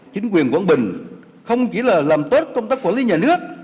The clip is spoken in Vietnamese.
chính quyền quảng bình không chỉ là làm tốt công tác quản lý nhà nước